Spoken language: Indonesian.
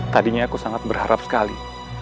tadinya aku sangat berharap sekali